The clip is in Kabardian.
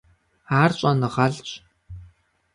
Ар щӏэныгъэлӏщ.